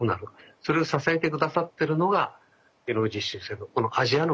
それを支えて下さっているのが技能実習生のアジアの方々なんですね。